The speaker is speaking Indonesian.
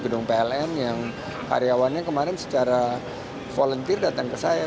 gedung pln yang karyawannya kemarin secara volunteer datang ke saya